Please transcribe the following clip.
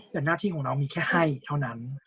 แต่หน้าที่ของน้องมีแค่ให้เท่านั้น